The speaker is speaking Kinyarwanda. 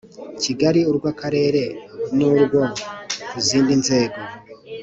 Kigali urw akarere n urwo ku zindi nzego